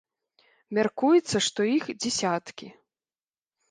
Мяркуецца, што іх дзясяткі.